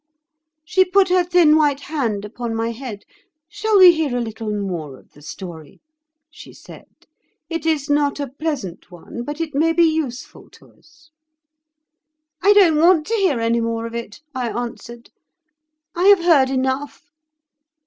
She put her thin white hand upon my head. 'Shall we hear a little more of the story?' she said. 'It is not a pleasant one, but it may be useful to us.' 'I don't want to hear any more of it,' I answered; 'I have heard enough.